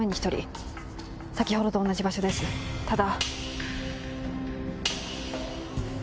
ただ。